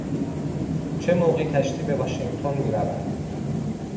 چه موقع کشتی به واشینگتن می رود؟